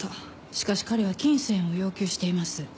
しかし彼は金銭を要求しています。